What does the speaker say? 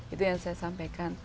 itu yang saya sampaikan